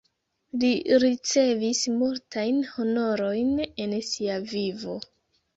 Li ricevis multajn honorojn en sia vivo.